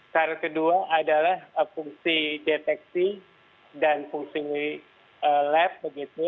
syarat kedua adalah fungsi deteksi dan fungsi lab